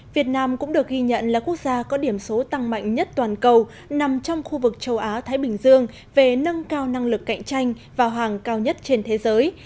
việt nam cũng được ghi nhận là quốc gia có điểm số tăng mạnh nhất toàn cầu nằm trong khu vực châu á thái bình dương về nâng cao năng lực cạnh tranh vào hàng cao nhất trên thế giới